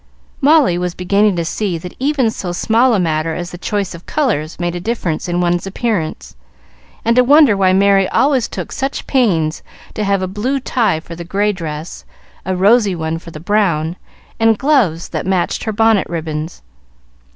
Molly was beginning to see that even so small a matter as the choice of colors made a difference in one's appearance, and to wonder why Merry always took such pains to have a blue tie for the gray dress, a rosy one for the brown, and gloves that matched her bonnet ribbons.